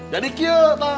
jadi kaya tak